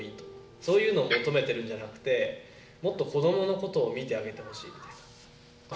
そういうのを求めているんじゃなくてもっと子どものことを見てあげてほしいみたいな。